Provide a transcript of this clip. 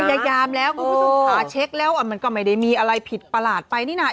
พยายามแล้วคุณผู้ชมขาเช็คแล้วมันก็ไม่ได้มีอะไรผิดประหลาดไปนี่นะ